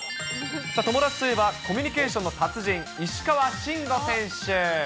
さあ、友達といえば、コミュニケーションの達人、石川慎吾選手。